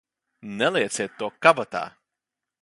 Nelieciet to kabatā!